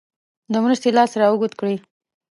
د مرستې لاس را اوږد کړي.